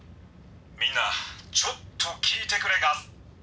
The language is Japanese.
みんなちょっと聞いてくれガス。